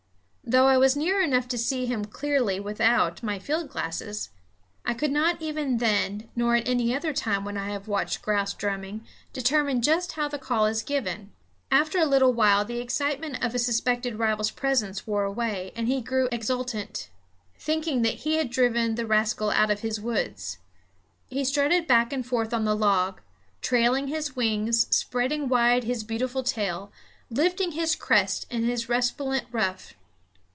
Though I was near enough to see him clearly without, my field glasses, I could not even then, nor at any other time when I have watched grouse drumming, determine just how the call is given. After a little while the excitement of a suspected rival's presence wore away, and he grew exultant, thinking that he had driven the rascal out of his woods. He strutted back and forth on the log, trailing his wings, spreading wide his beautiful tail, lifting his crest and his resplendent ruff.